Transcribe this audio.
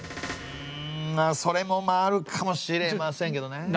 うんそれもあるかもしれませんけどね。